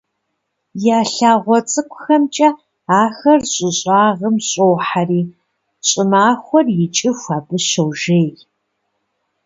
Я лъагъуэ цӏыкӏухэмкӏэ ахэр щӏы щӏагъым щӏохьэри, щӏымахуэр икӏыху абы щожей.